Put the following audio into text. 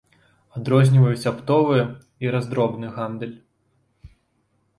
Адрозніваюць аптовы і раздробны гандаль.